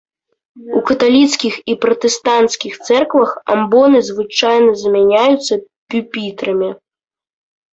У каталіцкіх і пратэстанцкіх цэрквах амбоны звычайна замяняюцца пюпітрамі.